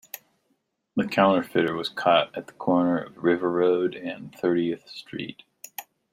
The counterfeiter was caught at the corner of River Road and Thirtieth Street.